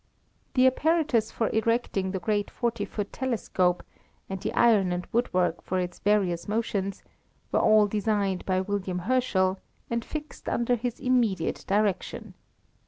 The apparatus for erecting the great forty foot telescope, and the iron and woodwork for its various motions, were all designed by William Herschel, and fixed under his immediate direction.